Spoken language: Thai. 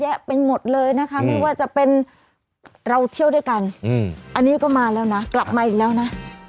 ไปหมดเลยนะคะไม่ว่าจะเป็นเราเที่ยวด้วยกันอันนี้ก็มาแล้วนะกลับมาอีกแล้วนะ